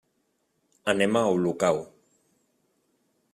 Anem a Olocau.